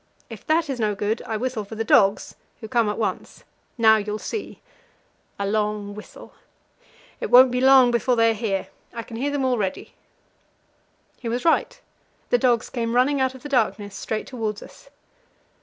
If that is no good, I whistle for the dogs, who come at once. Now you'll see" a long whistle "it won't be long before they are here. I can hear them already." He was right; the dogs came running out of the darkness straight towards us.